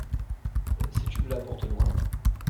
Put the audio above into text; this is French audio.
Ces tubes-là portent loin?